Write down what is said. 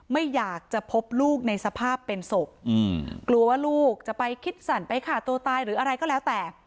ไม่อยากจะพบลูกในสภาพเป็นศพกลัวว่าลูกจะไปคิดสั่นไปฆ่าตัวตายหรืออะไรก็แล้วแต่